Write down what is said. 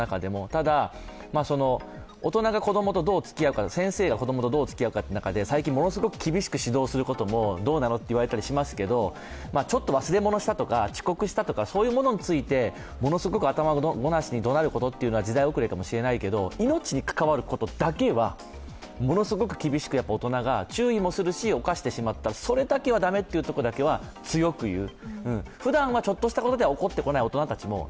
ただ、大人が子供とどう付き合うか、先生が子供とどう付き合うか、最近、厳しく指導するのはどうなのと言われたりしますけど、ちょっと忘れものしたとか、遅刻したとかそういうものについてものすごく頭ごなしにどなることというのは時代後れかもしれないけれども命に関わることだけは、ものすごく厳しく大人が注意もするしおかしてしまったら、それだけは駄目というところだけは、強く言う。